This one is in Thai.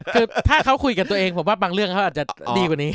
คือถ้าเขาคุยกับตัวเองผมว่าบางเรื่องเขาอาจจะดีกว่านี้